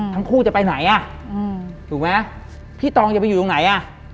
ทั้งคู่จะไปไหนถูกไหมพี่ตองจะไปอยู่ตรงไหน